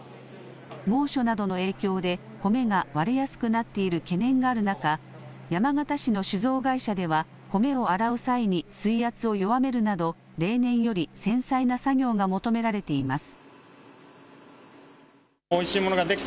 猛暑などの影響で米が割れやすくなっている懸念がある中、山形市の酒造会社では米を洗う際に水圧を弱めるなど例年より繊細な作業が求められています。